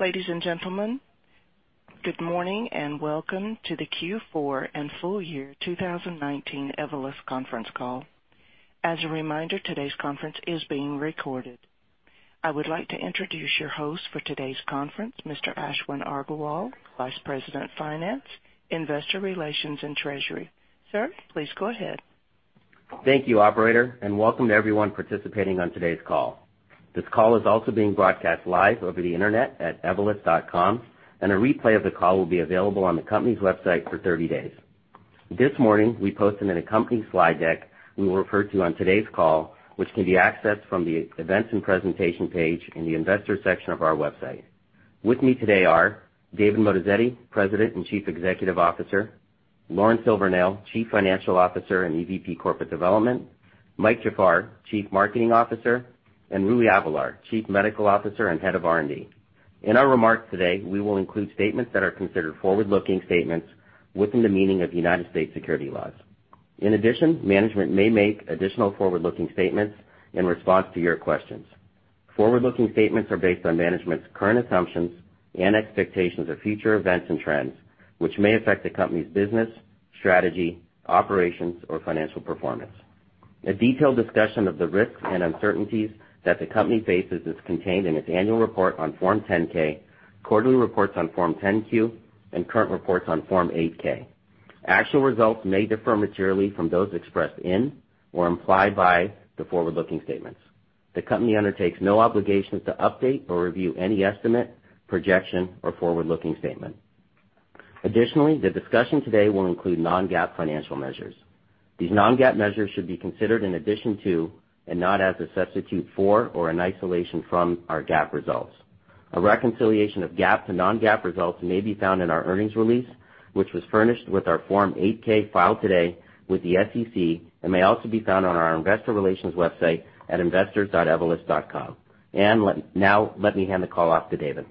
Ladies and gentlemen, good morning, and welcome to the Q4 and full year 2019 Evolus conference call. As a reminder, today's conference is being recorded. I would like to introduce your host for today's conference, Mr. Ashwin Agarwal, Vice President of Finance, Investor Relations, and Treasury. Sir, please go ahead. Thank you, operator, and welcome to everyone participating on today's call. This call is also being broadcast live over the internet at evolus.com, and a replay of the call will be available on the company's website for 30 days. This morning, we posted an accompanying slide deck we will refer to on today's call, which can be accessed from the Events and Presentation page in the Investor section of our website. With me today are David Moatazedi, President and Chief Executive Officer, Lauren Silvernail, Chief Financial Officer and EVP Corporate Development, Mike Jafar, Chief Marketing Officer, and Rui Avelar, Chief Medical Officer and Head of R&D. In our remarks today, we will include statements that are considered forward-looking statements within the meaning of United States security laws. In addition, management may make additional forward-looking statements in response to your questions. Forward-looking statements are based on management's current assumptions and expectations of future events and trends, which may affect the company's business, strategy, operations, or financial performance. A detailed discussion of the risks and uncertainties that the company faces is contained in its annual report on Form 10-K, quarterly reports on Form 10-Q, and current reports on Form 8-K. Actual results may differ materially from those expressed in or implied by the forward-looking statements. The company undertakes no obligations to update or review any estimate, projection, or forward-looking statement. Additionally, the discussion today will include non-GAAP financial measures. These non-GAAP measures should be considered in addition to, and not as a substitute for or in isolation from, our GAAP results. A reconciliation of GAAP to non-GAAP results may be found in our earnings release, which was furnished with our Form 8-K filed today with the SEC and may also be found on our investor relations website at investors.evolus.com. Now, let me hand the call off to David.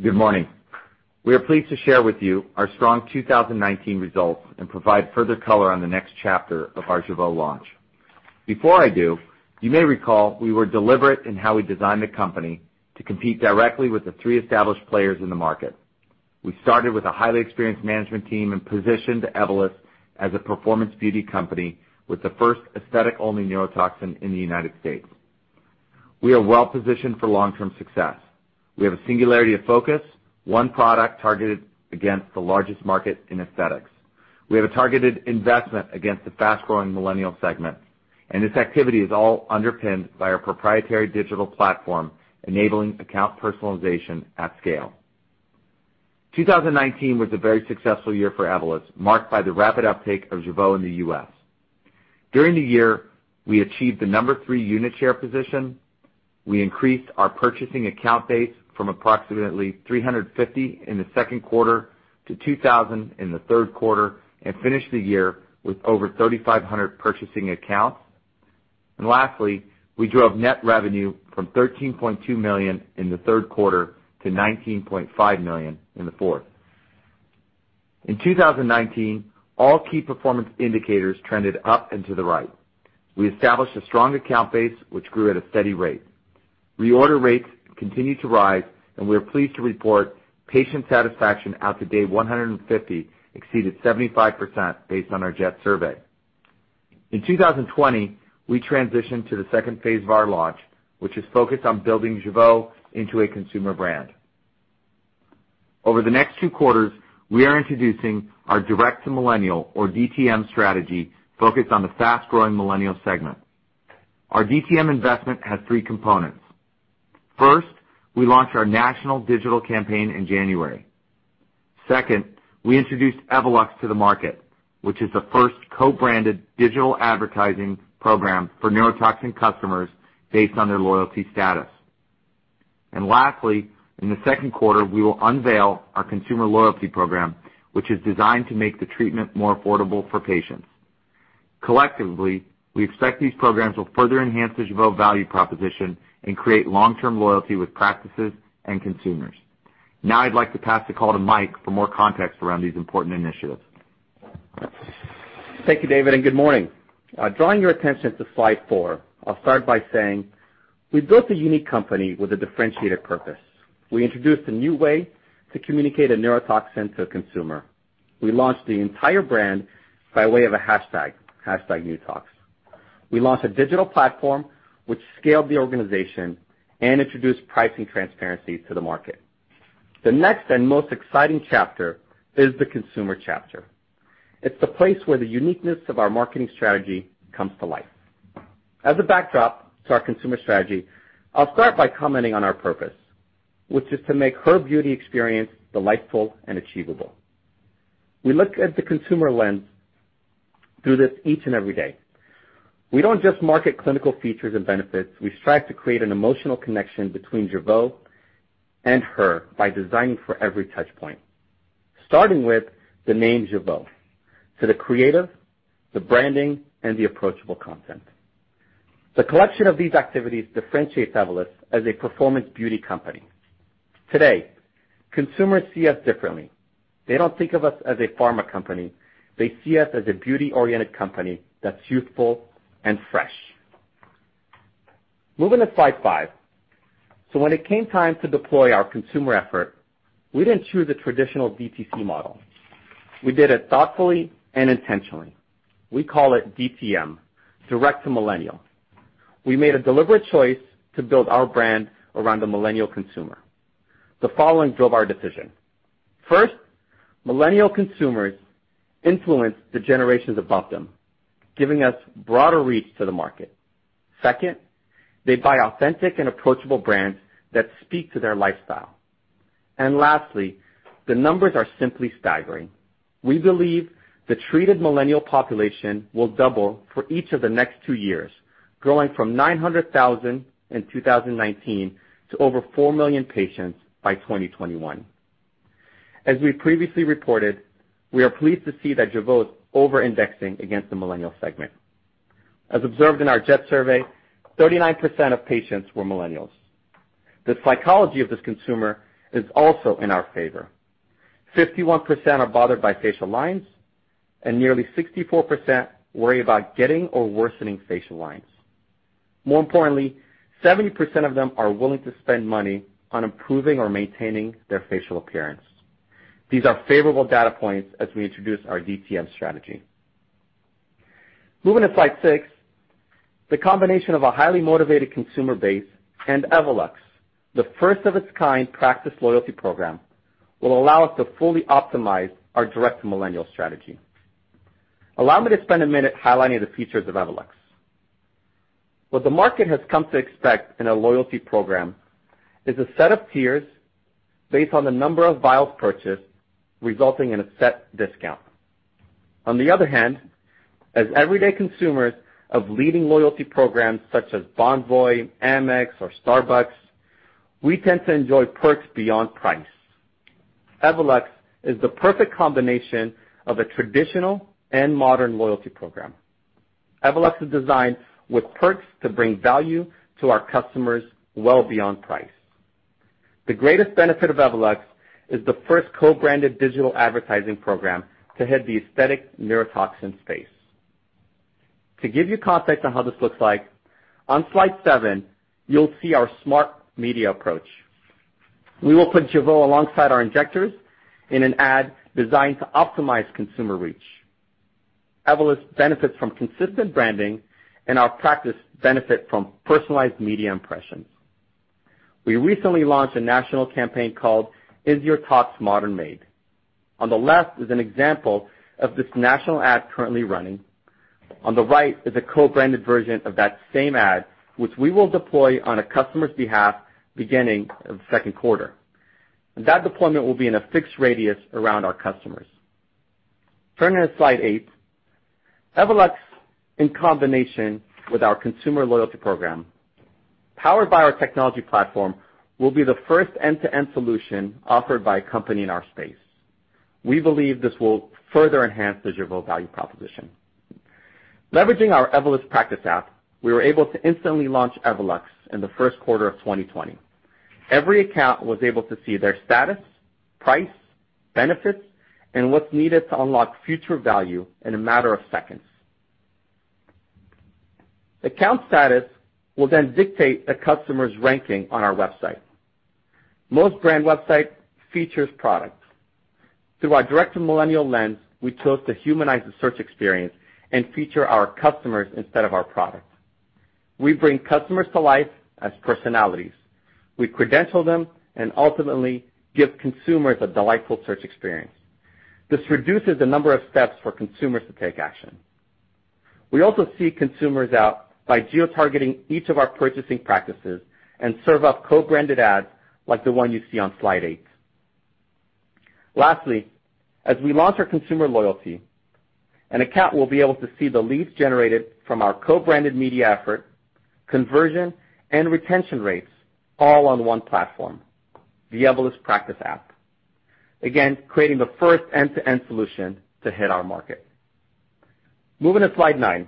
Good morning. We are pleased to share with you our strong 2019 results and provide further color on the next chapter of our JEUVEAU launch. Before I do, you may recall we were deliberate in how we designed the company to compete directly with the three established players in the market. We started with a highly experienced management team and positioned Evolus as a performance beauty company with the first aesthetic-only neurotoxin in the U.S. We are well-positioned for long-term success. We have a singularity of focus, one product targeted against the largest market in aesthetics. We have a targeted investment against the fast-growing Millennial segment, and this activity is all underpinned by our proprietary digital platform, enabling account personalization at scale. 2019 was a very successful year for Evolus, marked by the rapid uptake of JEUVEAU in the U.S. During the year, we achieved the number three unit share position. We increased our purchasing account base from approximately 350 in the second quarter to 2,000 in the third quarter and finished the year with over 3,500 purchasing accounts. Lastly, we drove net revenue from $13.2 million in the third quarter to $19.5 million in the fourth. In 2019, all key performance indicators trended up and to the right. We established a strong account base, which grew at a steady rate. Reorder rates continued to rise, and we are pleased to report patient satisfaction after day 150 exceeded 75% based on our J.E.T. survey. In 2020, we transitioned to the second phase of our launch, which is focused on building JEUVEAU into a consumer brand. Over the next two quarters, we are introducing our Direct to Millennial, or DTM strategy, focused on the fast-growing Millennial segment. Our DTM investment has three components. First, we launched our national digital campaign in January. Second, we introduced Evolux to the market, which is the first co-branded digital advertising program for neurotoxin customers based on their loyalty status. Lastly, in the second quarter, we will unveil our consumer loyalty program, which is designed to make the treatment more affordable for patients. Collectively, we expect these programs will further enhance the JEUVEAU value proposition and create long-term loyalty with practices and consumers. Now I'd like to pass the call to Mike for more context around these important initiatives. Thank you, David, and good morning. Drawing your attention to slide four, I'll start by saying we built a unique company with a differentiated purpose. We introduced a new way to communicate a neurotoxin to a consumer. We launched the entire brand by way of a hashtag, #newtox. We launched a digital platform which scaled the organization and introduced pricing transparency to the market. The next and most exciting chapter is the consumer chapter. It's the place where the uniqueness of our marketing strategy comes to life. As a backdrop to our consumer strategy, I'll start by commenting on our purpose, which is to make her beauty experience delightful and achievable. We look at the consumer lens through this each and every day. We don't just market clinical features and benefits. We strive to create an emotional connection between JEUVEAU and her by designing for every touchpoint, starting with the name JEUVEAU, to the creative, the branding, and the approachable content. The collection of these activities differentiates Evolus as a performance beauty company. Today, consumers see us differently. They don't think of us as a pharma company. They see us as a beauty-oriented company that's youthful and fresh. Moving to slide five. When it came time to deploy our consumer effort, we didn't choose a traditional DTC model. We did it thoughtfully and intentionally. We call it DTM, Direct to Millennial. We made a deliberate choice to build our brand around the millennial consumer. The following drove our decision. First, millennial consumers influence the generations above them, giving us broader reach to the market. Second, they buy authentic and approachable brands that speak to their lifestyle. Lastly, the numbers are simply staggering. We believe the treated millennial population will double for each of the next two years, growing from 900,000 in 2019 to over 4 million patients by 2021. As we previously reported, we are pleased to see that JEUVEAU's over-indexing against the millennial segment. As observed in our J.E.T. survey, 39% of patients were millennials. The psychology of this consumer is also in our favor. 51% are bothered by facial lines, and nearly 64% worry about getting or worsening facial lines. More importantly, 70% of them are willing to spend money on improving or maintaining their facial appearance. These are favorable data points as we introduce our DTM strategy. Moving to slide six, the combination of a highly motivated consumer base and Evolux, the first of its kind practice loyalty program, will allow us to fully optimize our direct millennial strategy. Allow me to spend a minute highlighting the features of Evolux. What the market has come to expect in a loyalty program is a set of tiers based on the number of vials purchased, resulting in a set discount. On the other hand, as everyday consumers of leading loyalty programs such as Bonvoy, Amex, or Starbucks, we tend to enjoy perks beyond price. Evolux is the perfect combination of a traditional and modern loyalty program. Evolux is designed with perks to bring value to our customers well beyond price. The greatest benefit of Evolux is the first co-branded digital advertising program to hit the aesthetic neurotoxin space. To give you context on how this looks like, on slide seven, you'll see our smart media approach. We will put JEUVEAU alongside our injectors in an ad designed to optimize consumer reach. Evolux benefits from consistent branding, and our practice benefit from personalized media impressions. We recently launched a national campaign called Is Your Tox Modern Made? On the left is an example of this national ad currently running. On the right is a co-branded version of that same ad, which we will deploy on a customer's behalf beginning in the second quarter. That deployment will be in a fixed radius around our customers. Turning to slide eight, Evolux, in combination with our consumer loyalty program, powered by our technology platform, will be the first end-to-end solution offered by a company in our space. We believe this will further enhance the JEUVEAU value proposition. Leveraging our Evolus Practice app, we were able to instantly launch Evolux in the first quarter of 2020. Every account was able to see their status, price, benefits, and what's needed to unlock future value in a matter of seconds. Account status will then dictate a customer's ranking on our website. Most brand website features products. Through our Direct to Millennial lens, we chose to humanize the search experience and feature our customers instead of our products. We bring customers to life as personalities. We credential them and ultimately give consumers a delightful search experience. This reduces the number of steps for consumers to take action. We also seek consumers out by geo-targeting each of our purchasing practices and serve up co-branded ads like the one you see on slide eight. Lastly, as we launch our consumer loyalty, an account will be able to see the leads generated from our co-branded media effort, conversion, and retention rates all on one platform, the Evolus Practice app. Again, creating the first end-to-end solution to hit our market. Moving to slide nine.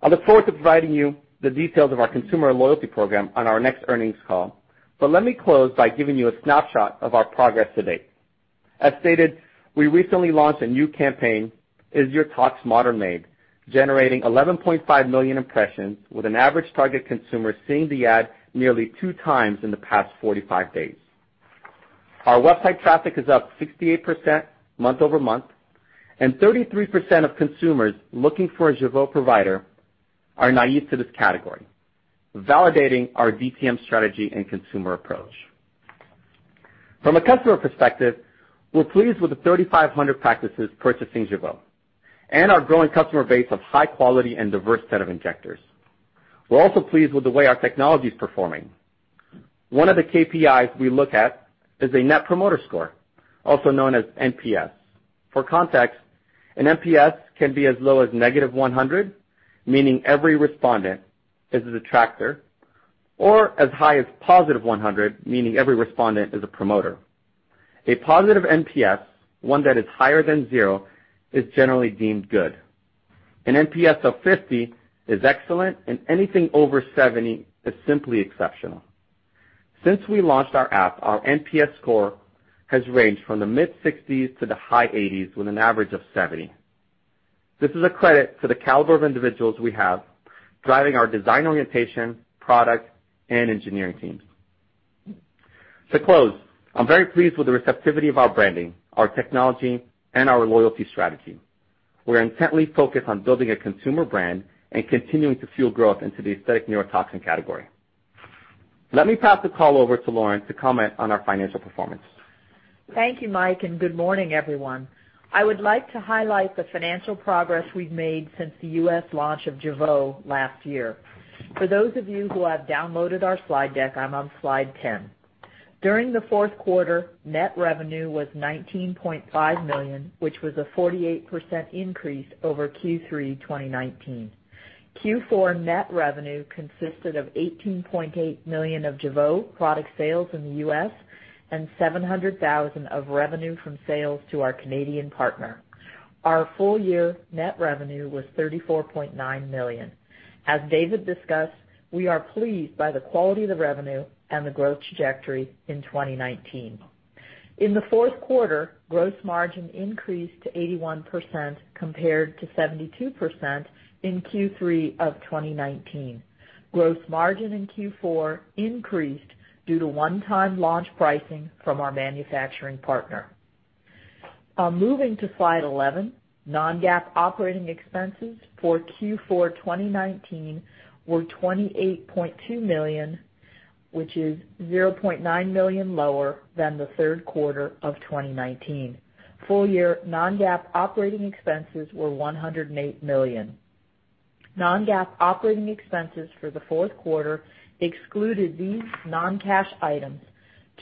I look forward to providing you the details of our consumer loyalty program on our next earnings call, but let me close by giving you a snapshot of our progress to date. As stated, we recently launched a new campaign, Is Your Tox Modern Made? generating 11.5 million impressions with an average target consumer seeing the ad nearly two times in the past 45 days. Our website traffic is up 68% month-over-month, and 33% of consumers looking for a JEUVEAU provider are naive to this category, validating our DTM strategy and consumer approach. From a customer perspective, we're pleased with the 3,500 practices purchasing JEUVEAU and our growing customer base of high quality and diverse set of injectors. We're also pleased with the way our technology is performing. One of the KPIs we look at is a net promoter score, also known as NPS. For context, an NPS can be as low as negative 100, meaning every respondent is a detractor, or as high as positive 100, meaning every respondent is a promoter. A positive NPS, one that is higher than zero, is generally deemed good. An NPS of 50 is excellent, and anything over 70 is simply exceptional. Since we launched our app, our NPS score has ranged from the mid-60s to the high 80s with an average of 70. This is a credit to the caliber of individuals we have driving our design orientation, product and engineering teams. To close, I'm very pleased with the receptivity of our branding, our technology, and our loyalty strategy. We're intently focused on building a consumer brand and continuing to fuel growth into the aesthetic neurotoxin category. Let me pass the call over to Lauren to comment on our financial performance. Thank you, Mike, and good morning, everyone. I would like to highlight the financial progress we've made since the U.S. launch of JEUVEAU last year. For those of you who have downloaded our slide deck, I'm on slide 10. During the fourth quarter, net revenue was $19.5 million, which was a 48% increase over Q3 2019. Q4 net revenue consisted of $18.8 million of JEUVEAU product sales in the U.S. and $700,000 of revenue from sales to our Canadian partner. Our full year net revenue was $34.9 million. As David discussed, we are pleased by the quality of the revenue and the growth trajectory in 2019. In the fourth quarter, gross margin increased to 81% compared to 72% in Q3 of 2019. Gross margin in Q4 increased due to one-time launch pricing from our manufacturing partner. Moving to slide 11, non-GAAP operating expenses for Q4 2019 were $28.2 million, which is $0.9 million lower than the third quarter of 2019. Full year non-GAAP operating expenses were $108 million. Non-GAAP operating expenses for the fourth quarter excluded these non-cash items: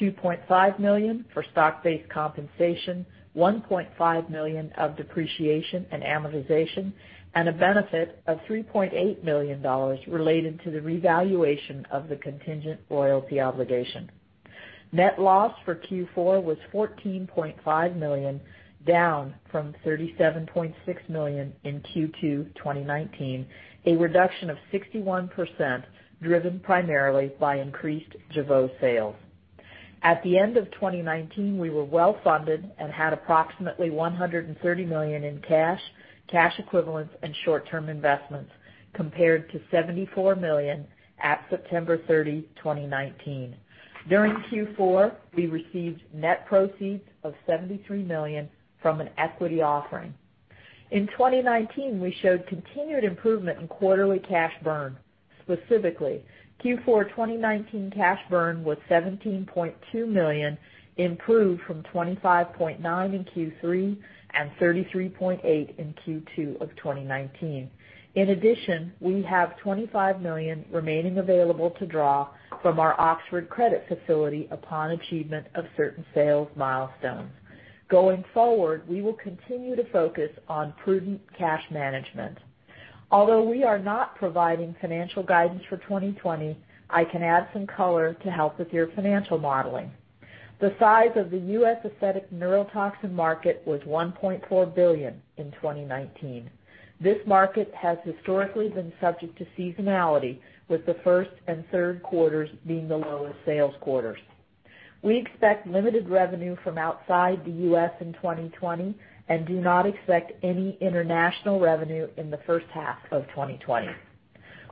$2.5 million for stock-based compensation, $1.5 million of depreciation and amortization, and a benefit of $3.8 million related to the revaluation of the contingent royalty obligation. Net loss for Q4 was $14.5 million, down from $37.6 million in Q2 2019, a reduction of 61% driven primarily by increased JEUVEAU sales. At the end of 2019, we were well-funded and had approximately $130 million in cash equivalents, and short-term investments, compared to $74 million at September 30, 2019. During Q4, we received net proceeds of $73 million from an equity offering. In 2019, we showed continued improvement in quarterly cash burn. Specifically, Q4 2019 cash burn was $17.2 million, improved from $25.9 million in Q3 and $33.8 million in Q2 of 2019. In addition, we have $25 million remaining available to draw from our Oxford credit facility upon achievement of certain sales milestones. Going forward, we will continue to focus on prudent cash management. Although we are not providing financial guidance for 2020, I can add some color to help with your financial modeling. The size of the U.S. aesthetic neurotoxin market was $1.4 billion in 2019. This market has historically been subject to seasonality, with the first and third quarters being the lowest sales quarters. We expect limited revenue from outside the U.S. in 2020 and do not expect any international revenue in the first half of 2020.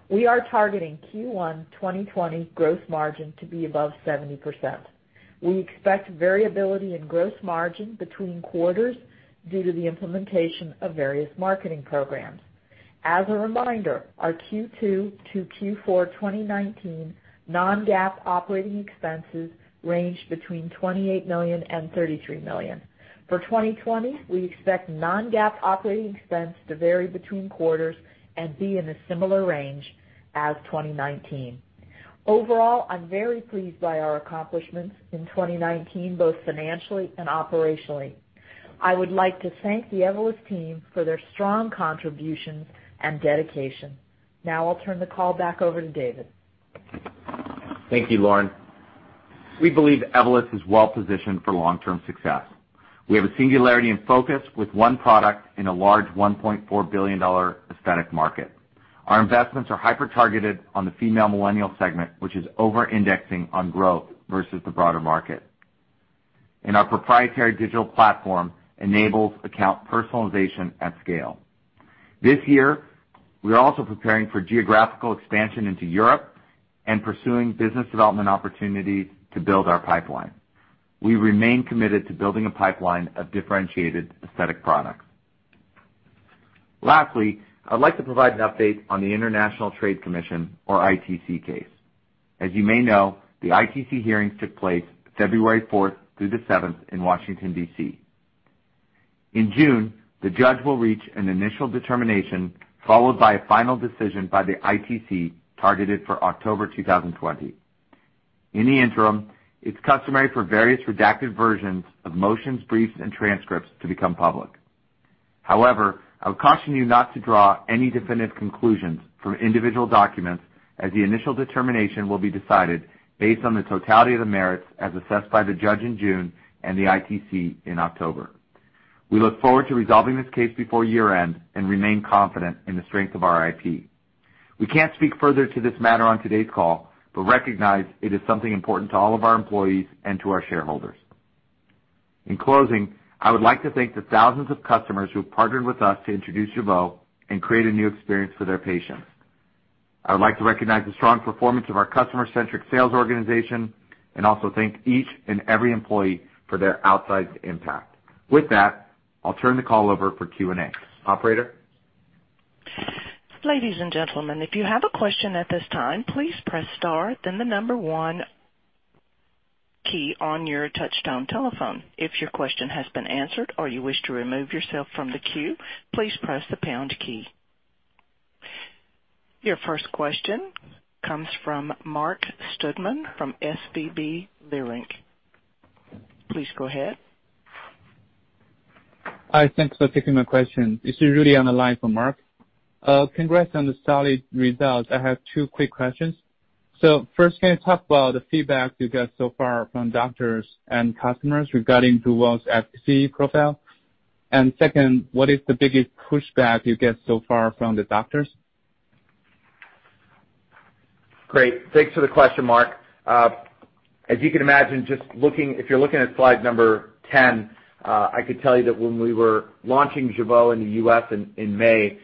We are targeting Q1 2020 gross margin to be above 70%. We expect variability in gross margin between quarters due to the implementation of various marketing programs. As a reminder, our Q2 to Q4 2019 non-GAAP operating expenses ranged between $28 million and $33 million. For 2020, we expect non-GAAP operating expense to vary between quarters and be in a similar range as 2019. Overall, I'm very pleased by our accomplishments in 2019, both financially and operationally. I would like to thank the Evolus team for their strong contributions and dedication. Now I'll turn the call back over to David. Thank you, Lauren. We believe Evolus is well positioned for long-term success. We have a singularity and focus with one product in a large $1.4 billion aesthetic market. Our investments are hyper-targeted on the female millennial segment, which is over-indexing on growth versus the broader market. Our proprietary digital platform enables account personalization at scale. This year, we are also preparing for geographical expansion into Europe and pursuing business development opportunities to build our pipeline. We remain committed to building a pipeline of differentiated aesthetic products. Lastly, I'd like to provide an update on the International Trade Commission or ITC case. As you may know, the ITC hearings took place February 4th through the 7th in Washington, D.C. In June, the judge will reach an initial determination, followed by a final decision by the ITC, targeted for October 2020. In the interim, it's customary for various redacted versions of motions, briefs, and transcripts to become public. I would caution you not to draw any definitive conclusions from individual documents as the initial determination will be decided based on the totality of the merits as assessed by the judge in June and the ITC in October. We look forward to resolving this case before year-end and remain confident in the strength of our IP. We can't speak further to this matter on today's call, but recognize it is something important to all of our employees and to our shareholders. In closing, I would like to thank the thousands of customers who have partnered with us to introduce JEUVEAU and create a new experience for their patients. I would like to recognize the strong performance of our customer-centric sales organization and also thank each and every employee for their outsized impact. With that, I'll turn the call over for Q&A. Operator? Ladies and gentlemen, if you have a question at this time, please press star, then the number one key on your touchtone telephone. If your question has been answered or you wish to remove yourself from the queue, please press the pound key. Your first question comes from Marc Goodman from SVB Leerink. Please go ahead. Hi. Thanks for taking my question. This is Rudy on the line for Marc. Congrats on the solid results. I have two quick questions. First, can you talk about the feedback you've got so far from doctors and customers regarding JEUVEAU's efficacy profile? Second, what is the biggest pushback you get so far from the doctors? Great. Thanks for the question, Marc. As you can imagine, if you're looking at slide number 10, I could tell you that when we were launching JEUVEAU in the U.S. in May,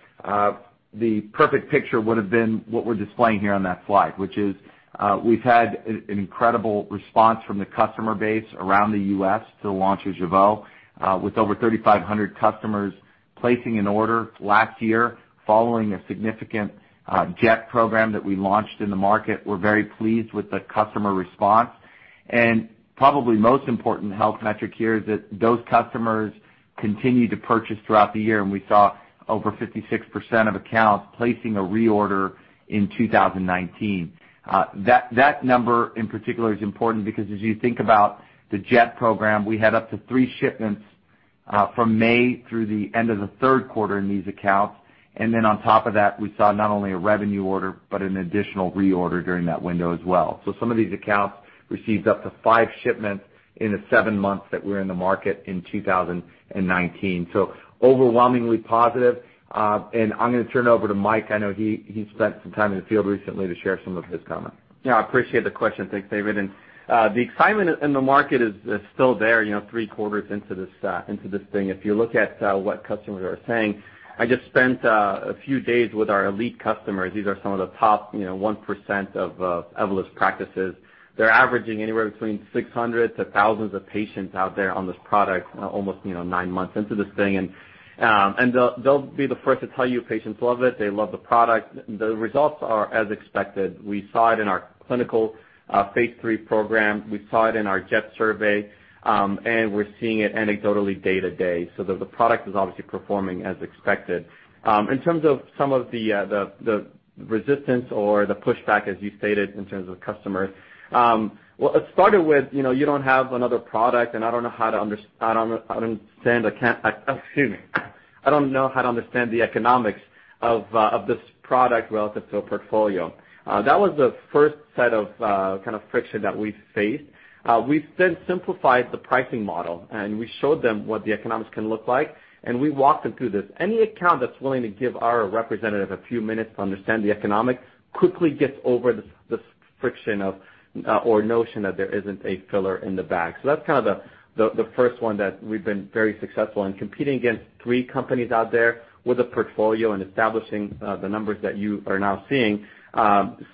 the perfect picture would have been what we're displaying here on that slide, which is we've had an incredible response from the customer base around the U.S. to the launch of JEUVEAU, with over 3,500 customers placing an order last year following a significant J.E.T. program that we launched in the market. We're very pleased with the customer response. Probably most important health metric here is that those customers continued to purchase throughout the year, and we saw over 56% of accounts placing a reorder in 2019. That number in particular is important because as you think about the J.E.T. program, we had up to three shipments from May through the end of the third quarter in these accounts. On top of that, we saw not only a revenue order, but an additional reorder during that window as well. Some of these accounts received up to five shipments in the seven months that we were in the market in 2019. Overwhelmingly positive. I'm going to turn it over to Mike, I know he spent some time in the field recently, to share some of his comments. Yeah, I appreciate the question. Thanks, David. The excitement in the market is still there three quarters into this thing. If you look at what customers are saying, I just spent a few days with our elite customers. These are some of the top 1% of Evolus practices. They're averaging anywhere between 600 to thousands of patients out there on this product almost nine months into this thing. They'll be the first to tell you, patients love it. They love the product. The results are as expected. We saw it in our clinical phase III program. We saw it in our J.E.T. survey. We're seeing it anecdotally day to day, the product is obviously performing as expected. In terms of some of the resistance or the pushback, as you stated, in terms of customers, well, it started with, "You don't have another product, and I don't know how to understand the economics of this product relative to a portfolio." That was the first set of friction that we faced. We've since simplified the pricing model, and we showed them what the economics can look like, and we walked them through this. Any account that's willing to give our representative a few minutes to understand the economics quickly gets over this friction or notion that there isn't a filler in the bag. That's the first one that we've been very successful in competing against three companies out there with a portfolio and establishing the numbers that you are now seeing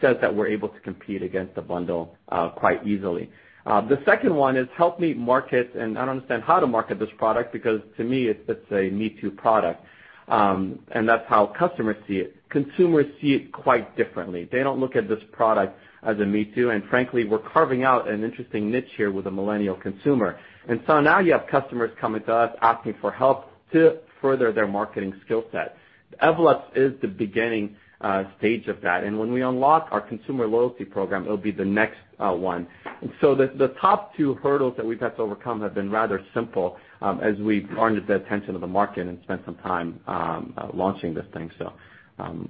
says that we're able to compete against a bundle quite easily. The second one is, "Help me market, and I don't understand how to market this product, because to me, it's a me-too product," and that's how customers see it. Consumers see it quite differently. They don't look at this product as a me-too, and frankly, we're carving out an interesting niche here with a millennial consumer. Now you have customers coming to us asking for help to further their marketing skill set. Evolux is the beginning stage of that, and when we unlock our consumer loyalty program, it'll be the next one. The top two hurdles that we've had to overcome have been rather simple as we've garnered the attention of the market and spent some time launching this thing.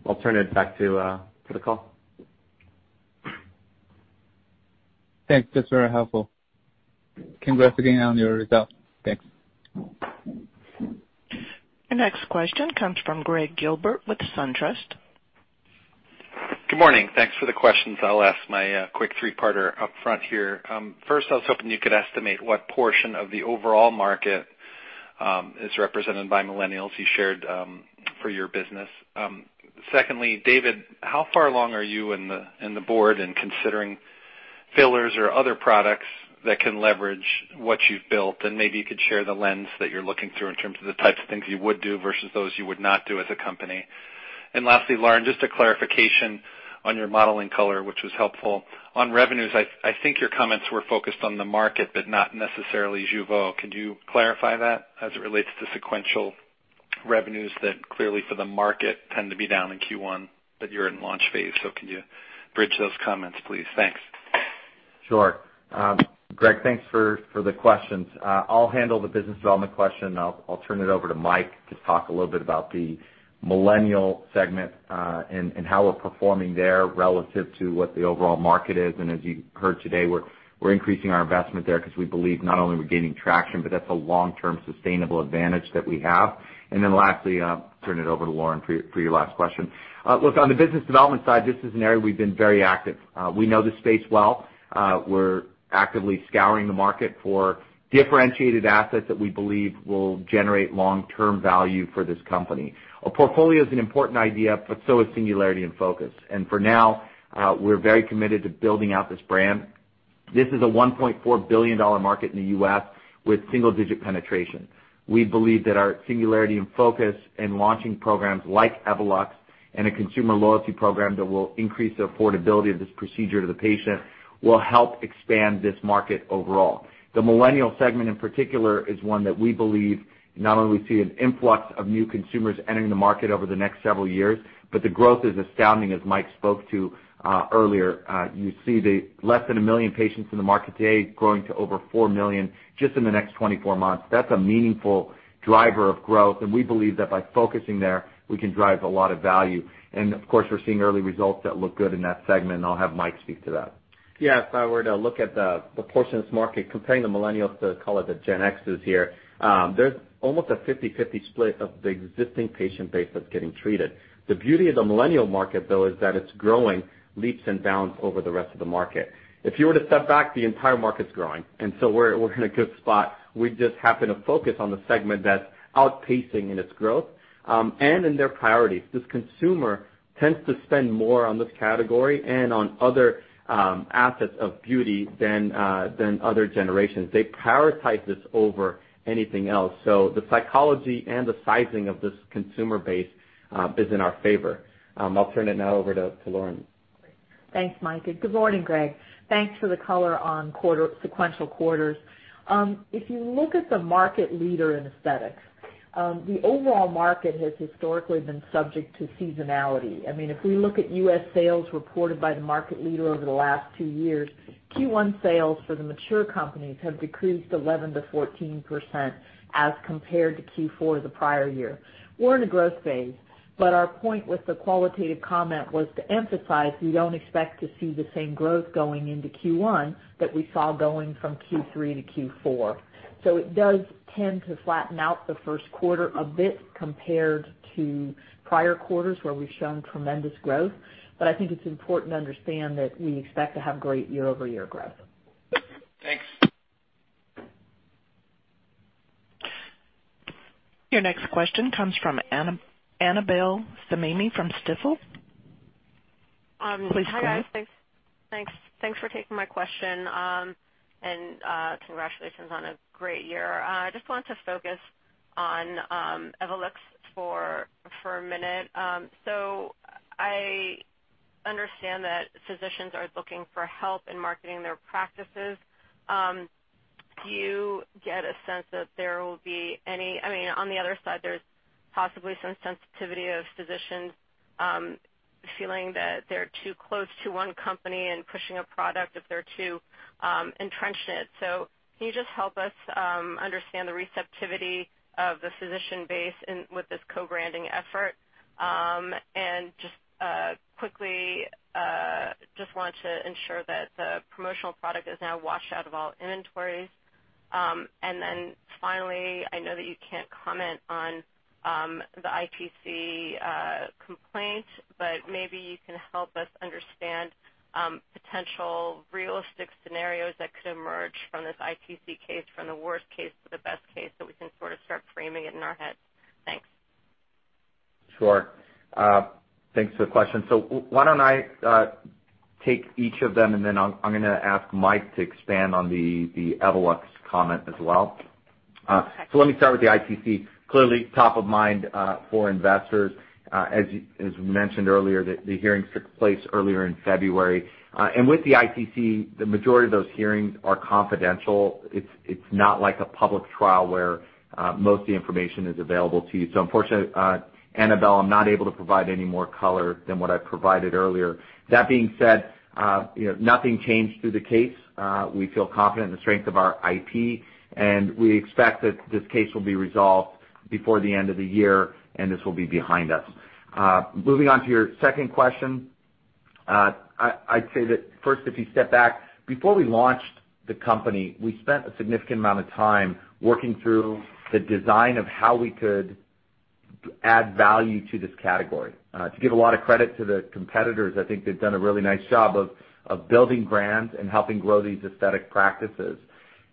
I'll turn it back to the call. Thanks. That's very helpful. Congrats again on your results. Thanks. The next question comes from Greg Gilbert with SunTrust. Good morning. Thanks for the questions. I'll ask my quick three-parter up front here. First, I was hoping you could estimate what portion of the overall market is represented by millennials you shared for your business. Secondly, David, how far along are you and the board in considering fillers or other products that can leverage what you've built? Maybe you could share the lens that you're looking through in terms of the types of things you would do versus those you would not do as a company. Lastly, Lauren, just a clarification on your modeling color, which was helpful. On revenues, I think your comments were focused on the market, but not necessarily JEUVEAU. Could you clarify that as it relates to sequential revenues that clearly for the market tend to be down in Q1, but you're in launch phase, so can you bridge those comments, please? Thanks. Sure. Greg, thanks for the questions. I'll handle the business development question. I'll turn it over to Mike to talk a little bit about the millennial segment, and how we're performing there relative to what the overall market is. As you heard today, we're increasing our investment there because we believe not only are we gaining traction, but that's a long-term sustainable advantage that we have. Then lastly, I'll turn it over to Lauren for your last question. Look, on the business development side, this is an area we've been very active. We know the space well. We're actively scouring the market for differentiated assets that we believe will generate long-term value for this company. A portfolio is an important idea, but so is singularity and focus. For now, we're very committed to building out this brand. This is a $1.4 billion market in the U.S. with single-digit penetration. We believe that our singularity and focus in launching programs like Evolux and a consumer loyalty program that will increase the affordability of this procedure to the patient will help expand this market overall. The Millennial segment in particular, is one that we believe not only will we see an influx of new consumers entering the market over the next several years, but the growth is astounding, as Mike spoke to earlier. You see the less than 1 million patients in the market today growing to over 4 million just in the next 24 months. That's a meaningful driver of growth, and we believe that by focusing there, we can drive a lot of value. Of course, we're seeing early results that look good in that segment, and I'll have Mike speak to that. Yes. If I were to look at the proportion of this market comparing the Millennials to call it the Gen Xers here, there's almost a 50/50 split of the existing patient base that's getting treated. The beauty of the Millennial market, though, is that it's growing leaps and bounds over the rest of the market. If you were to step back, the entire market's growing, and so we're in a good spot. We just happen to focus on the segment that's outpacing in its growth, and in their priorities. This consumer tends to spend more on this category and on other assets of beauty than other generations. They prioritize this over anything else, so the psychology and the sizing of this consumer base is in our favor. I'll turn it now over to Lauren. Great. Thanks, Mike. Good morning, Greg. Thanks for the color on sequential quarters. If you look at the market leader in aesthetics, the overall market has historically been subject to seasonality. If we look at U.S. sales reported by the market leader over the last two years, Q1 sales for the mature companies have decreased 11%-14% as compared to Q4 the prior year. We're in a growth phase, our point with the qualitative comment was to emphasize we don't expect to see the same growth going into Q1 that we saw going from Q3 to Q4. It does tend to flatten out the first quarter a bit compared to prior quarters where we've shown tremendous growth. I think it's important to understand that we expect to have great year-over-year growth. Thanks. Your next question comes from Annabel Samimy from Stifel. Please go ahead. Hi, guys. Thanks for taking my question. Congratulations on a great year. I just wanted to focus on Evolux for a minute. I understand that physicians are looking for help in marketing their practices. Do you get a sense that on the other side, there's possibly some sensitivity of physicians feeling that they're too close to one company and pushing a product if they're too entrenched in it? Can you just help us understand the receptivity of the physician base with this co-branding effort? Just quickly, just want to ensure that the promotional product is now washed out of all inventories. Finally, I know that you can't comment on the ITC complaint, but maybe you can help us understand potential realistic scenarios that could emerge from this ITC case, from the worst case to the best case, so we can sort of start framing it in our heads. Thanks. Sure. Thanks for the question. Why don't I take each of them, and then I'm gonna ask Mike to expand on the Evolux comment as well. Let me start with the ITC. Clearly top of mind for investors. As mentioned earlier, the hearings took place earlier in February. With the ITC, the majority of those hearings are confidential. It's not like a public trial where most of the information is available to you. Unfortunately, Annabel, I'm not able to provide any more color than what I provided earlier. That being said, nothing changed through the case. We feel confident in the strength of our IP, and we expect that this case will be resolved before the end of the year and this will be behind us. Moving on to your second question, I'd say that first, if you step back, before we launched the company, we spent a significant amount of time working through the design of how we could add value to this category. To give a lot of credit to the competitors, I think they've done a really nice job of building brands and helping grow these aesthetic practices.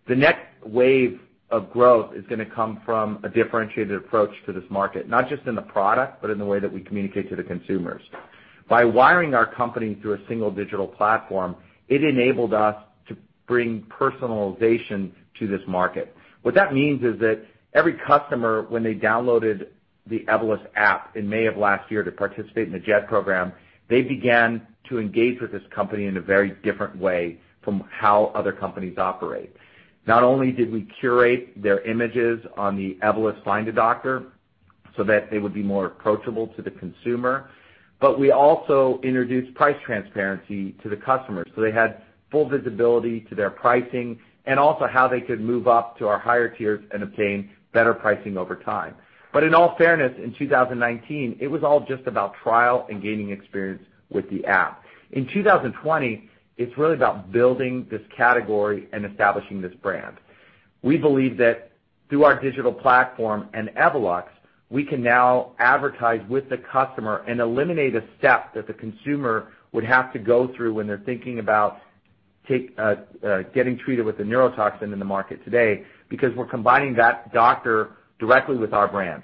The next wave of growth is gonna come from a differentiated approach to this market, not just in the product, but in the way that we communicate to the consumers. By wiring our company through a single digital platform, it enabled us to bring personalization to this market. What that means is that every customer, when they downloaded the Evolus app in May of last year to participate in the J.E.T. program, they began to engage with this company in a very different way from how other companies operate. Not only did we curate their images on the Evolus Find a Doctor so that they would be more approachable to the consumer. We also introduced price transparency to the customer, so they had full visibility to their pricing, and also how they could move up to our higher tiers and obtain better pricing over time. In all fairness, in 2019, it was all just about trial and gaining experience with the app. In 2020, it's really about building this category and establishing this brand. We believe that through our digital platform and Evolux, we can now advertise with the customer and eliminate a step that the consumer would have to go through when they're thinking about getting treated with a neurotoxin in the market today, because we're combining that doctor directly with our brand.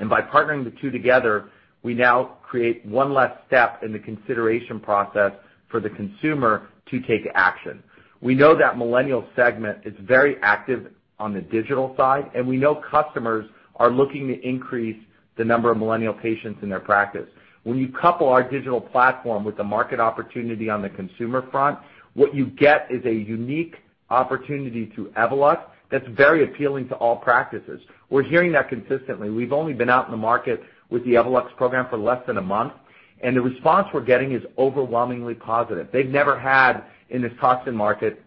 By partnering the two together, we now create one less step in the consideration process for the consumer to take action. We know that Millennial segment is very active on the digital side, and we know customers are looking to increase the number of Millennial patients in their practice. When you couple our digital platform with the market opportunity on the consumer front, what you get is a unique opportunity through Evolux that's very appealing to all practices. We're hearing that consistently. We've only been out in the market with the Evolux program for less than a month, and the response we're getting is overwhelmingly positive. They've never had, in this toxin market,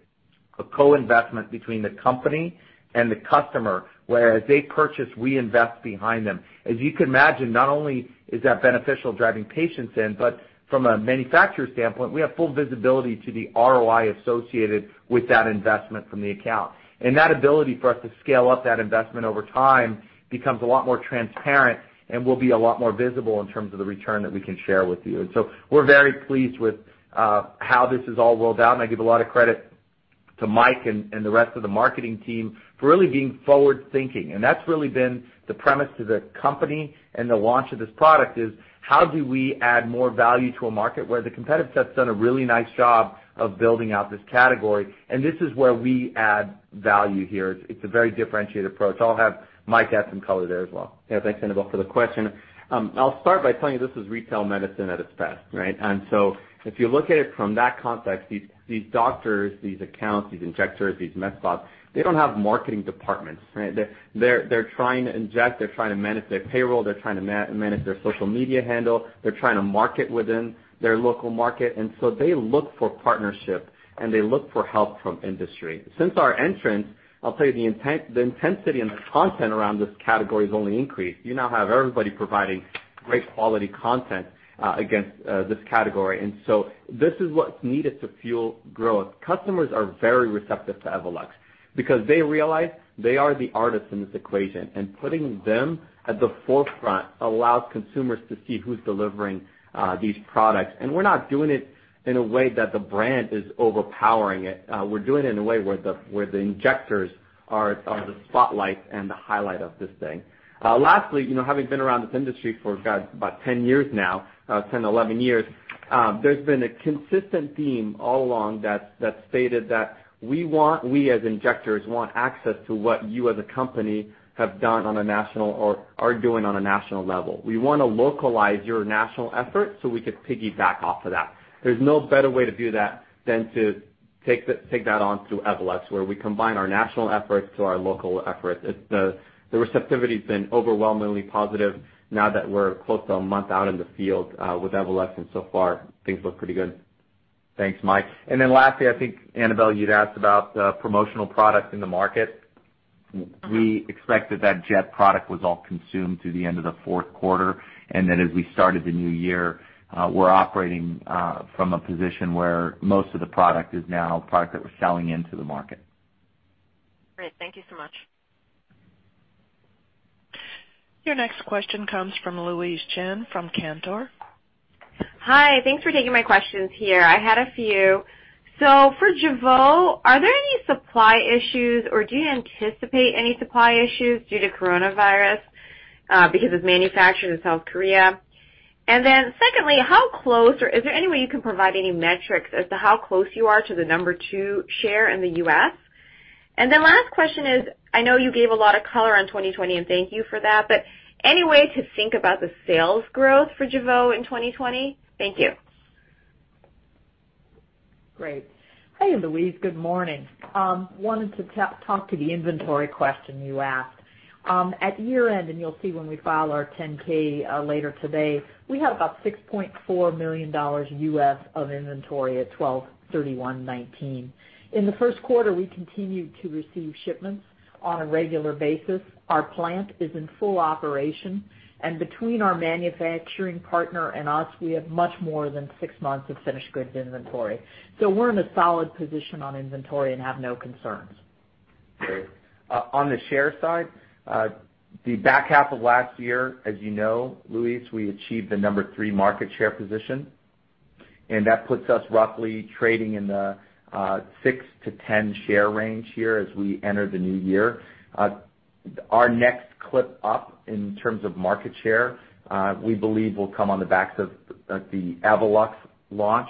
a co-investment between the company and the customer, where as they purchase, we invest behind them. As you can imagine, not only is that beneficial driving patients in, but from a manufacturer standpoint, we have full visibility to the ROI associated with that investment from the account. That ability for us to scale up that investment over time becomes a lot more transparent and will be a lot more visible in terms of the return that we can share with you. We're very pleased with how this has all rolled out, and I give a lot of credit to Mike and the rest of the marketing team for really being forward-thinking. That's really been the premise to the company and the launch of this product is, how do we add more value to a market where the competitive set's done a really nice job of building out this category? This is where we add value here. It's a very differentiated approach. I'll have Mike add some color there as well. Thanks, Annabel, for the question. I'll start by telling you this is retail medicine at its best, right? If you look at it from that context, these doctors, these accounts, these injectors, these med spas, they don't have marketing departments, right? They're trying to inject, they're trying to manage their payroll, they're trying to manage their social media handle. They're trying to market within their local market. They look for partnership, and they look for help from industry. Since our entrance, I'll tell you, the intensity and the content around this category has only increased. You now have everybody providing great quality content against this category. This is what's needed to fuel growth. Customers are very receptive to Evolux because they realize they are the artist in this equation. Putting them at the forefront allows consumers to see who's delivering these products. We're not doing it in a way that the brand is overpowering it. We're doing it in a way where the injectors are the spotlight and the highlight of this thing. Lastly, having been around this industry for about 10 years now, 10, 11 years, there's been a consistent theme all along that stated that we as injectors want access to what you as a company have done on a national or are doing on a national level. We want to localize your national effort so we could piggyback off of that. There's no better way to do that than to take that on through Evolux, where we combine our national efforts to our local efforts. The receptivity's been overwhelmingly positive now that we're close to a month out in the field with Evolux. So far things look pretty good. Thanks, Mike. Lastly, I think Annabel, you'd asked about promotional product in the market. We expect that that J.E.T. product was all consumed through the end of the fourth quarter, and that as we started the new year, we're operating from a position where most of the product is now product that we're selling into the market. Great. Thank you so much. Your next question comes from Louise Chen from Cantor. Hi. Thanks for taking my questions here. I had a few. For JEUVEAU, are there any supply issues or do you anticipate any supply issues due to coronavirus because it's manufactured in South Korea? Secondly, is there any way you can provide any metrics as to how close you are to the number two share in the U.S.? Last question is, I know you gave a lot of color on 2020, and thank you for that, but any way to think about the sales growth for JEUVEAU in 2020? Thank you. Great. Hey, Louise. Good morning. Wanted to talk to the inventory question you asked. At year-end, and you'll see when we file our 10-K later today, we had about $6.4 million of inventory at 12/31/2019. In the first quarter, we continued to receive shipments on a regular basis. Our plant is in full operation. Between our manufacturing partner and us, we have much more than six months of finished goods inventory. We're in a solid position on inventory and have no concerns. On the share side, the back half of last year, as you know, Louise, we achieved the number three market share position. That puts us roughly trading in the 6-10 share range here as we enter the new year. Our next clip up in terms of market share, we believe will come on the backs of the Evolux launch,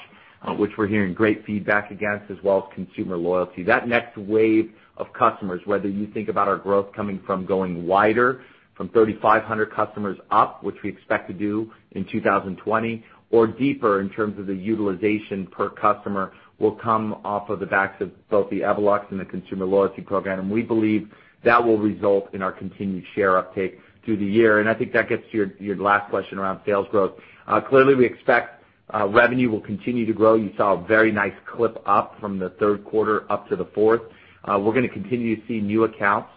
which we're hearing great feedback against, as well as consumer loyalty. That next wave of customers, whether you think about our growth coming from going wider from 3,500 customers up, which we expect to do in 2020, or deeper in terms of the utilization per customer, will come off of the backs of both the Evolux and the consumer loyalty program. We believe that will result in our continued share uptake through the year. I think that gets to your last question around sales growth. Clearly, we expect revenue will continue to grow. You saw a very nice clip up from the third quarter up to the fourth. We're going to continue to see new accounts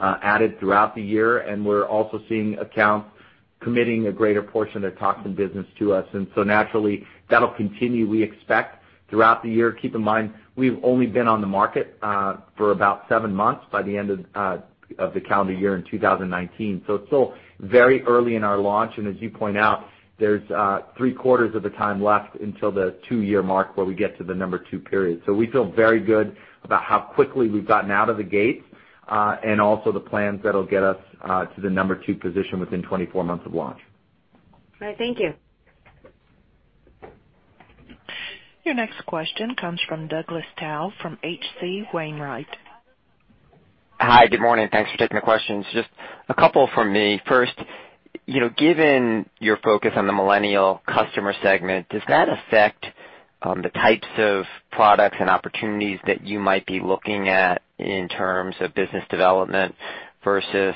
added throughout the year, and we're also seeing accounts committing a greater portion of their toxin business to us. Naturally, that'll continue, we expect, throughout the year. Keep in mind, we've only been on the market for about seven months by the end of the calendar year in 2019. It's still very early in our launch, and as you point out, there's three quarters of the time left until the two-year mark where we get to the number two period. We feel very good about how quickly we've gotten out of the gates, and also the plans that'll get us to the number two position within 24 months of launch. All right, thank you. Your next question comes from Douglas Tsao from H.C. Wainwright. Hi, good morning. Thanks for taking the questions. Just a couple from me. First, given your focus on the Millennial customer segment, does that affect the types of products and opportunities that you might be looking at in terms of business development versus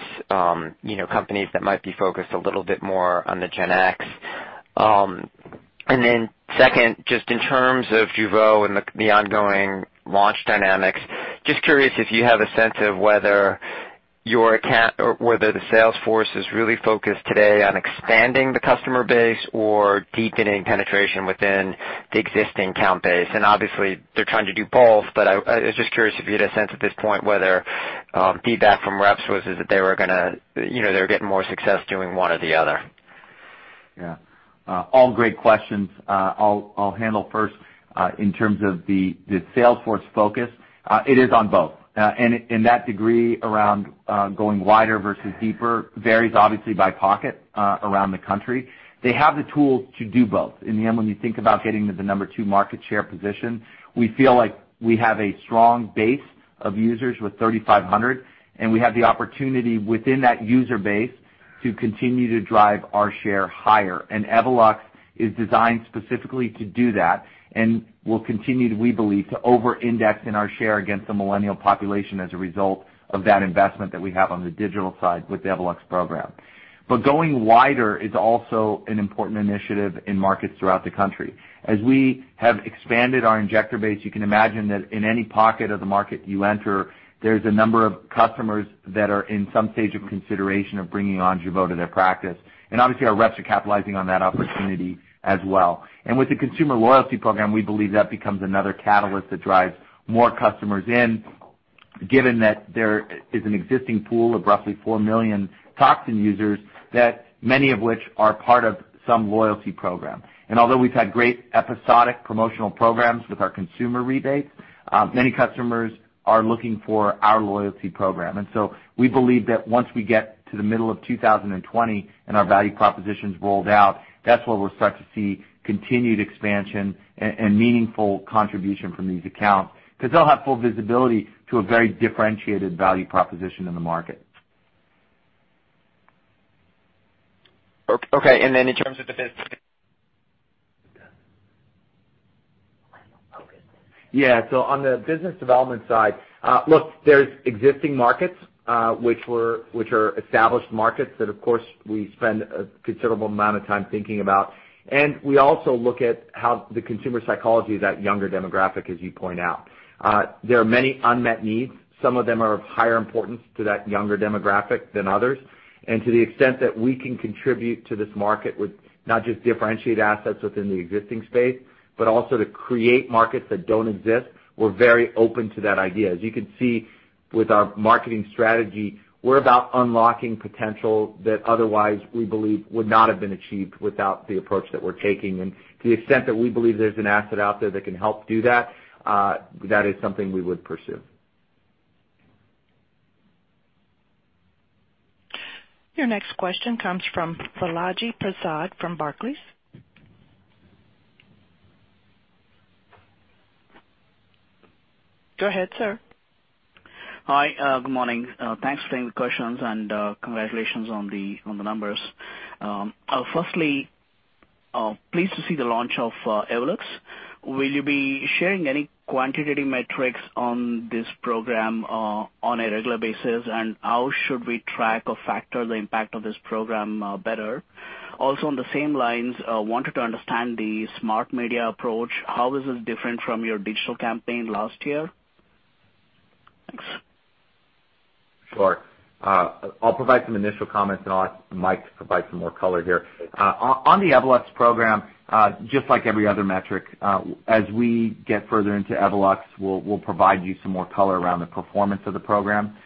companies that might be focused a little bit more on the Gen X? Second, just in terms of JEUVEAU and the ongoing launch dynamics, just curious if you have a sense of whether the sales force is really focused today on expanding the customer base or deepening penetration within the existing account base. Obviously they're trying to do both, but I was just curious if you had a sense at this point whether feedback from reps was that they were getting more success doing one or the other. All great questions. I'll handle first in terms of the Salesforce focus, it is on both. That degree around going wider versus deeper varies obviously by pocket around the country. They have the tools to do both. In the end, when you think about getting to the number two market share position, we feel like we have a strong base of users with 3,500, and we have the opportunity within that user base to continue to drive our share higher. Evolux is designed specifically to do that and will continue, we believe, to over-index in our share against the millennial population as a result of that investment that we have on the digital side with the Evolux program. Going wider is also an important initiative in markets throughout the country. As we have expanded our injector base, you can imagine that in any pocket of the market you enter, there's a number of customers that are in some stage of consideration of bringing on JEUVEAU to their practice. Obviously, our reps are capitalizing on that opportunity as well. With the consumer loyalty program, we believe that becomes another catalyst that drives more customers in, given that there is an existing pool of roughly 4 million toxin users that many of which are part of some loyalty program. Although we've had great episodic promotional programs with our consumer rebates, many customers are looking for our loyalty program. We believe that once we get to the middle of 2020 and our value proposition's rolled out, that's where we'll start to see continued expansion and meaningful contribution from these accounts, because they'll have full visibility to a very differentiated value proposition in the market. Okay, then in terms of the business. Yeah. On the business development side, look, there's existing markets, which are established markets that, of course, we spend a considerable amount of time thinking about. We also look at how the consumer psychology is at younger demographic, as you point out. There are many unmet needs. Some of them are of higher importance to that younger demographic than others. To the extent that we can contribute to this market with not just differentiate assets within the existing space, but also to create markets that don't exist, we're very open to that idea. As you can see with our marketing strategy, we're about unlocking potential that otherwise, we believe would not have been achieved without the approach that we're taking. To the extent that we believe there's an asset out there that can help do that is something we would pursue. Your next question comes from Balaji Prasad from Barclays. Go ahead, sir. Hi, good morning. Thanks for taking the questions, and congratulations on the numbers. Firstly, pleased to see the launch of Evolux. Will you be sharing any quantitative metrics on this program on a regular basis, and how should we track or factor the impact of this program better? Also on the same lines, wanted to understand the smart media approach. How is it different from your digital campaign last year? Thanks. Sure. I'll provide some initial comments, and I'll ask Mike to provide some more color here. On the Evolux program, just like every other metric, as we get further into Evolux, we'll provide you some more color around the performance of the program.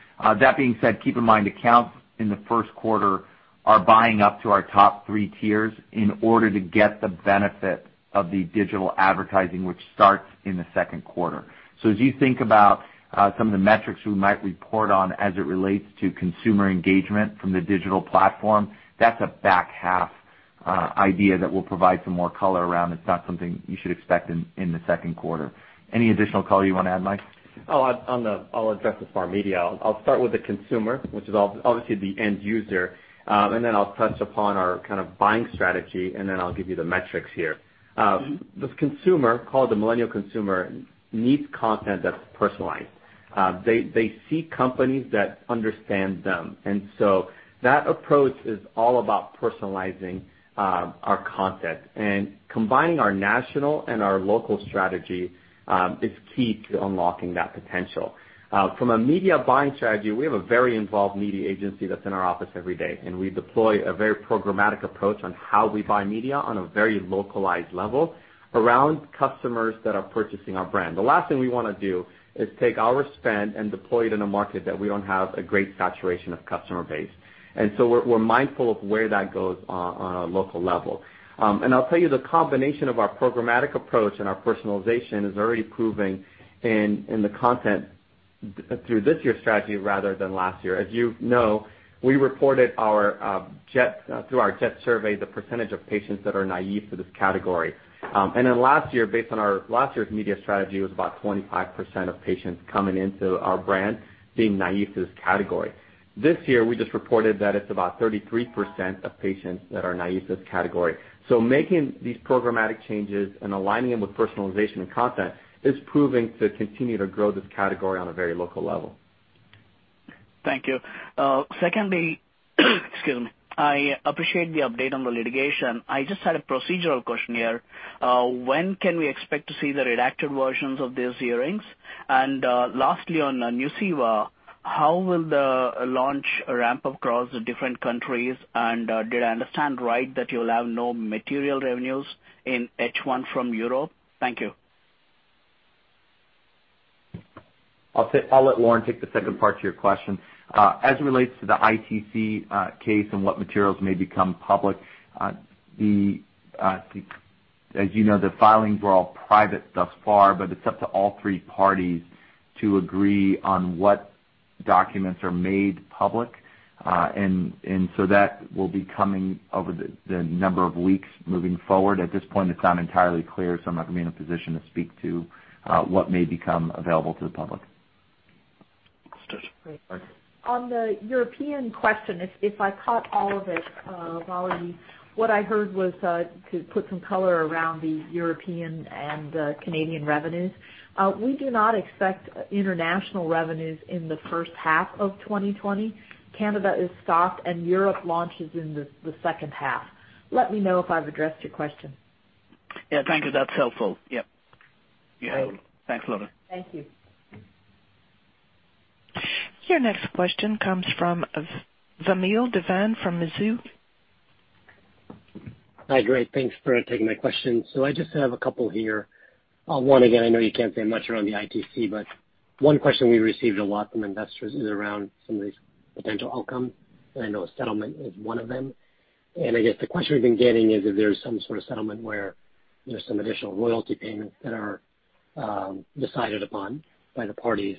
That being said, keep in mind accounts in the first quarter are buying up to our top three tiers in order to get the benefit of the digital advertising which starts in the second quarter. As you think about some of the metrics we might report on as it relates to consumer engagement from the digital platform, that's a back-half idea that we'll provide some more color around. It's not something you should expect in the second quarter. Any additional color you want to add, Mike? I'll address the smart media. I'll start with the consumer, which is obviously the end user, and then I'll touch upon our buying strategy, and then I'll give you the metrics here. The consumer, called the Millennial consumer, needs content that's personalized. They seek companies that understand them. That approach is all about personalizing our content and combining our national and our local strategy is key to unlocking that potential. From a media buying strategy, we have a very involved media agency that's in our office every day, and we deploy a very programmatic approach on how we buy media on a very localized level around customers that are purchasing our brand. The last thing we want to do is take our spend and deploy it in a market that we don't have a great saturation of customer base. We're mindful of where that goes on a local level. I'll tell you, the combination of our programmatic approach and our personalization is already proving in the content through this year's strategy rather than last year. As you know, we reported through our J.E.T. survey, the percentage of patients that are naive to this category. Last year, based on our last year's media strategy, it was about 25% of patients coming into our brand being naive to this category. This year, we just reported that it's about 33% of patients that are naive to this category. Making these programmatic changes and aligning them with personalization and content is proving to continue to grow this category on a very local level. Thank you. Secondly, excuse me. I appreciate the update on the litigation. I just had a procedural question here. When can we expect to see the redacted versions of these hearings? Lastly, on NUCEIVA, how will the launch ramp across the different countries? Did I understand right that you'll have no material revenues in H1 from Europe? Thank you. I'll let Lauren take the second part to your question. As it relates to the ITC case and what materials may become public, as you know, the filings were all private thus far, but it's up to all three parties to agree on what documents are made public. That will be coming over the number of weeks moving forward. At this point, it's not entirely clear, so I'm not going to be in a position to speak to what may become available to the public. On the European question, if I caught all of it, Balaji, what I heard was to put some color around the European and Canadian revenues. We do not expect international revenues in the first half of 2020. Canada is stopped and Europe launches in the second half. Let me know if I've addressed your question. Yeah, thank you. That's helpful. Yep. Thanks Lauren. Thank you. Your next question comes from Vamil Divan from Mizuho. Hi, great. Thanks for taking my question. I just have a couple here. One, again, I know you can't say much around the ITC, but one question we received a lot from investors is around some of these potential outcomes, and I know a settlement is one of them. I guess the question we've been getting is if there's some sort of settlement where there's some additional royalty payments that are decided upon by the parties.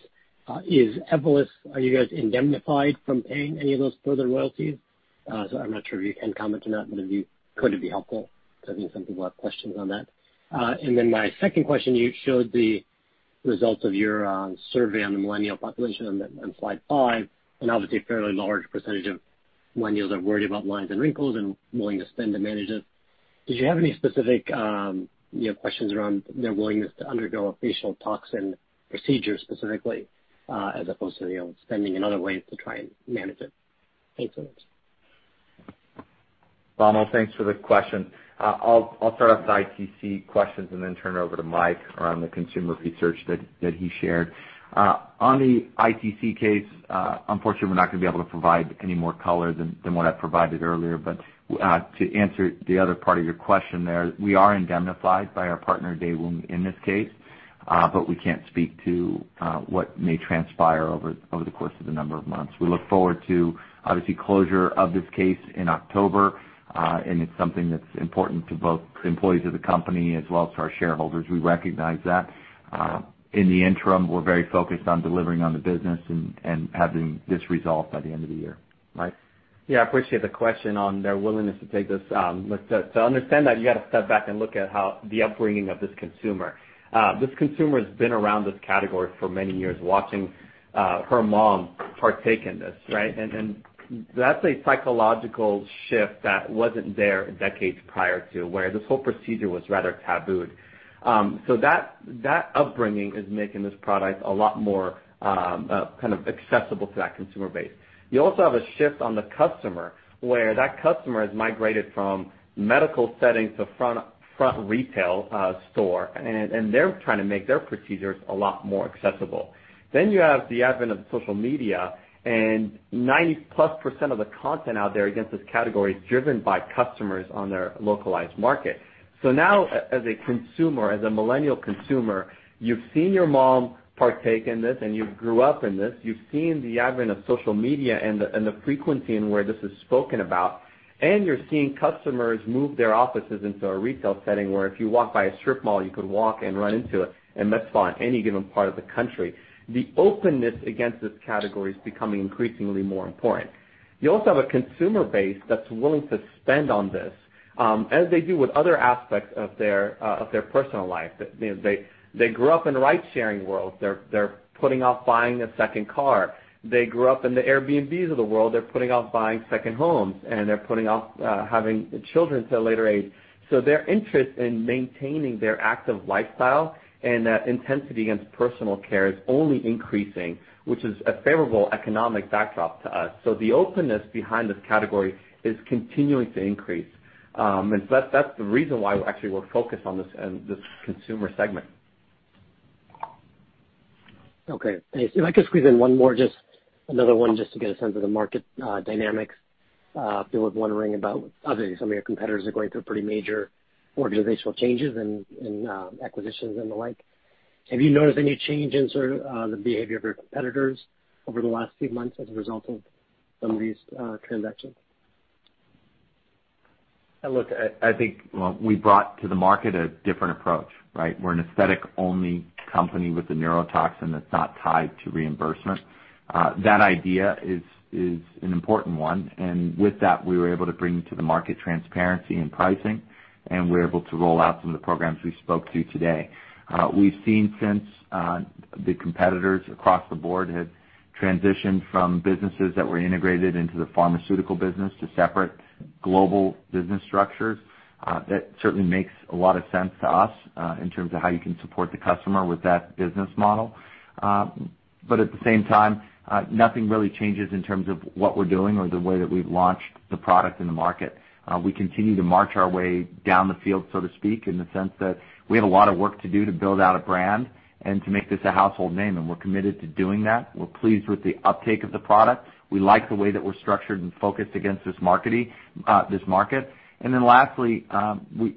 Is Evolus, are you guys indemnified from paying any of those further royalties? I'm not sure if you can comment or not, but it could be helpful because I think some people have questions on that. My second question, you showed the results of your survey on the millennial population on slide five. Obviously a fairly large percentage of millennials are worried about lines and wrinkles and willing to spend to manage it. Did you have any specific questions around their willingness to undergo a facial toxin procedure specifically, as opposed to spending in other ways to try and manage it? Thanks so much. Vamil, thanks for the question. I'll start off the ITC questions and then turn it over to Mike around the consumer research that he shared. On the ITC case, unfortunately, we're not going to be able to provide any more color than what I provided earlier. To answer the other part of your question there, we are indemnified by our partner, Daewoong, in this case, but we can't speak to what may transpire over the course of the number of months. We look forward to, obviously, closure of this case in October, and it's something that's important to both employees of the company as well as to our shareholders. We recognize that. In the interim, we're very focused on delivering on the business and having this resolved by the end of the year. Mike? Yeah, I appreciate the question on their willingness to take this. To understand that, you got to step back and look at the upbringing of this consumer. This consumer has been around this category for many years, watching her mom partake in this, right? That's a psychological shift that wasn't there decades prior to where this whole procedure was rather tabooed. That upbringing is making this product a lot more accessible to that consumer base. You also have a shift on the customer, where that customer has migrated from medical setting to front retail store, and they're trying to make their procedures a lot more accessible. You have the advent of social media, and 90-plus% of the content out there against this category is driven by customers on their localized market. Now, as a consumer, as a millennial consumer, you've seen your mom partake in this, and you grew up in this. You've seen the advent of social media and the frequency in where this is spoken about, you're seeing customers move their offices into a retail setting where if you walk by a strip mall, you could walk and run into it, and that's fine, any given part of the country. The openness against this category is becoming increasingly more important. You also have a consumer base that's willing to spend on this, as they do with other aspects of their personal life. They grew up in a ride-sharing world. They're putting off buying a second car. They grew up in the Airbnb of the world. They're putting off buying second homes, they're putting off having children to a later age. Their interest in maintaining their active lifestyle and that intensity against personal care is only increasing, which is a favorable economic backdrop to us. The openness behind this category is continuing to increase. That's the reason why we actually we're focused on this consumer segment. Okay. If I could squeeze in one more, just another one just to get a sense of the market dynamics. I was wondering about obviously some of your competitors are going through pretty major organizational changes and acquisitions and the like. Have you noticed any change in sort of the behavior of your competitors over the last few months as a result of some of these transactions? Look, I think we brought to the market a different approach, right? We're an aesthetic-only company with a neurotoxin that's not tied to reimbursement. That idea is an important one, and with that, we were able to bring to the market transparency in pricing, and we're able to roll out some of the programs we spoke to today. We've seen since the competitors across the board have transitioned from businesses that were integrated into the pharmaceutical business to separate global business structures. That certainly makes a lot of sense to us, in terms of how you can support the customer with that business model. At the same time, nothing really changes in terms of what we're doing or the way that we've launched the product in the market. We continue to march our way down the field, so to speak, in the sense that we have a lot of work to do to build out a brand and to make this a household name. We're committed to doing that. We're pleased with the uptake of the product. We like the way that we're structured and focused against this market. Lastly,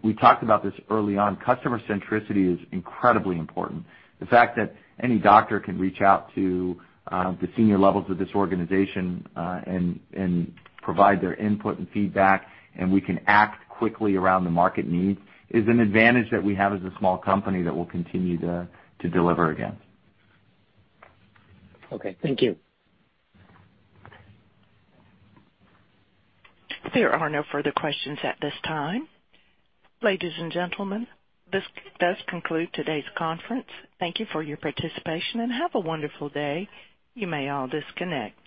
we talked about this early on, customer centricity is incredibly important. The fact that any doctor can reach out to the senior levels of this organization and provide their input and feedback, and we can act quickly around the market needs is an advantage that we have as a small company that we'll continue to deliver against. Okay. Thank you. There are no further questions at this time. Ladies and gentlemen, this does conclude today's conference. Thank you for your participation, and have a wonderful day. You may all disconnect.